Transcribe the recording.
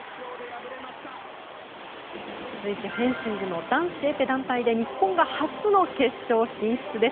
続いてフェンシングの男子エペ団体で日本が初の決勝進出です。